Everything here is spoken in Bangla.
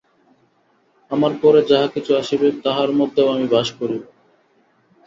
আমার পরে যাহা কিছু আসিবে, তাহার মধ্যেও আমি বাস করিব।